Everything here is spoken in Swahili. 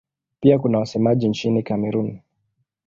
Pia kuna wasemaji nchini Kamerun.